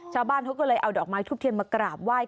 ชาวบ้านเขาก็เลยเอาดอกไม้ทุบเทียนมากราบไหว้